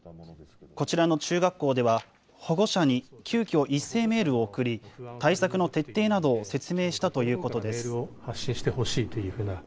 こちらの中学校では、保護者に急きょ、一斉メールを送り、対策の徹底などを説明したということです。